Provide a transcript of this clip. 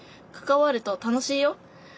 関わると楽しいよ。